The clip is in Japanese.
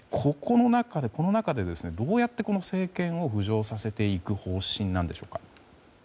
ここの中で、どうやって政権を浮上させていく方針なんでしょうか。